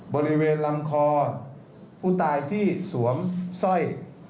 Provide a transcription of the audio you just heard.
บริเวณลำคอผู้ตายที่สวมสร้อย